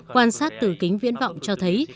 quan sát từ kính viễn vọng cho thấy